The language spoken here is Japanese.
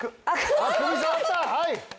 はい。